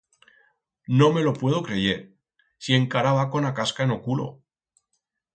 No me lo puedo creyer, si encara va con a casca en o culo!